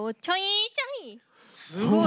すごい！